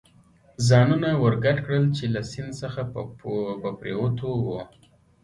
ځانونه ور ګډ کړل، چې له سیند څخه په پورېوتو و.